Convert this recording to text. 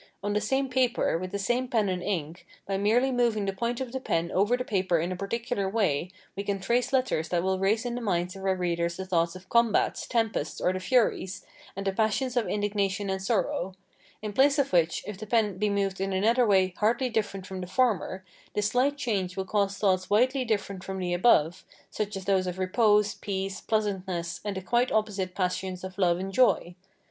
On the same paper, with the same pen and ink, by merely moving the point of the pen over the paper in a particular way, we can trace letters that will raise in the minds of our readers the thoughts of combats, tempests, or the furies, and the passions of indignation and sorrow; in place of which, if the pen be moved in another way hardly different from the former, this slight change will cause thoughts widely different from the above, such as those of repose, peace, pleasantness, and the quite opposite passions of love and joy.